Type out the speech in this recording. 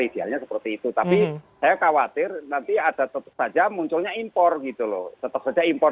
idealnya seperti itu tapi saya khawatir nanti ada tetap saja munculnya impor gitu loh tetap saja impor